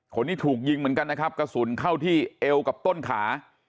คนนี้ถูกยิงเหมือนกันนะครับกระสุนเข้าที่เอวกับต้นขา